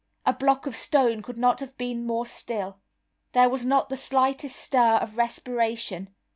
A block of stone could not have been more still. There was not the slightest stir of respiration.